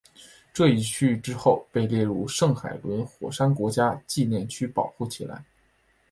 这一区域之后被列入圣海伦火山国家纪念区保护起来。